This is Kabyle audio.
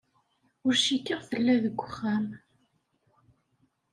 Ur cikkeɣ tella deg wexxam.